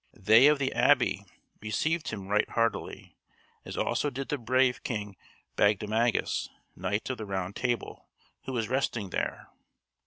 They of the abbey received him right heartily, as also did the brave King Bagdemagus, Knight of the Round Table, who was resting there.